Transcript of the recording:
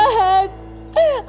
aku gak kuat